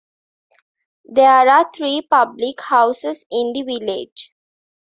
There are three public houses in the village.